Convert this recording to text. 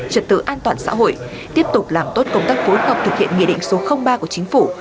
trật tự an toàn xã hội tiếp tục làm tốt công tác phối hợp thực hiện nghị định số ba của chính phủ